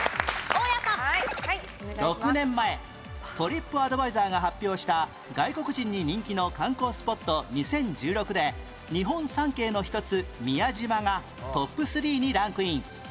６年前トリップアドバイザーが発表した外国人に人気の観光スポット２０１６で日本三景の一つ宮島がトップ３にランクイン